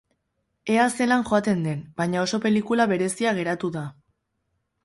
Ea zelan joaten den, baina oso pelikula berezia geratu da.